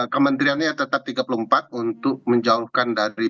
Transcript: kementeriannya tetap tiga puluh empat untuk menjauhkan dari